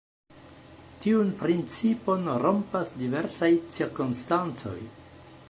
Tiun principon rompas diversaj cirkonstancoj.